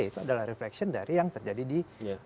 itu adalah refleksi dari yang terjadi di